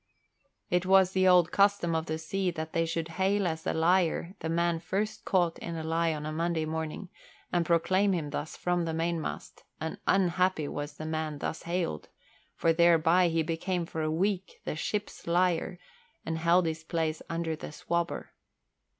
It was the old custom of the sea that they should hail as a liar the man first caught in a lie on a Monday morning and proclaim him thus from the mainmast, and unhappy was the man thus hailed, for thereby he became for a week the "ship's liar" and held his place under the swabber.